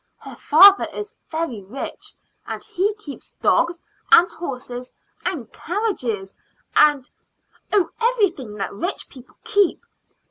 Her father is very rich, and he keeps dogs and horses and carriages and oh, everything that rich people keep.